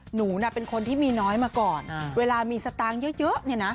หนูน่ะเป็นคนที่มีน้อยมาก่อนเวลามีสตางค์เยอะเนี่ยนะ